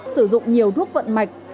sử dụng nhiều thuốc vận mạch